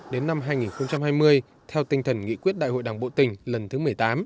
đến năm hai nghìn hai mươi theo tinh thần nghị quyết đại hội đảng bộ tỉnh lần thứ một mươi tám